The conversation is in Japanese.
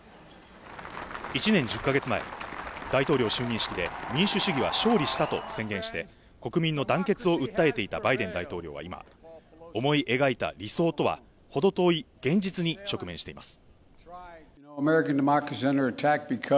１年１０か月前、大統領就任式で民主主義は勝利したと宣言して、国民の団結を訴えていたバイデン大統領は今、思い描いた理想とはほど遠い現実に直面しています。